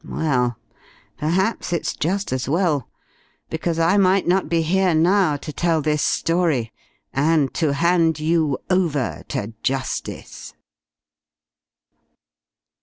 Well, perhaps it's just as well, because I might not be here now to tell this story, and to hand you over to justice."